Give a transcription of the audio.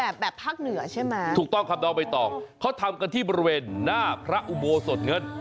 แบบภาคเหนือใช่มั้ยถูกต้องคำนองไปต่อเขาทำกันที่บริเวณหน้าพระอุโมสดเงิน